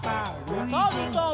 おさるさん。